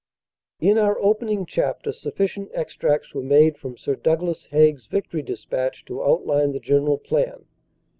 In our opening chapter sufficient extracts were made from Sir Douglas Haig s Victory Dispatch to outline the general plan.